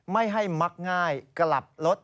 ไม่ให้มักง่ายกลับรถ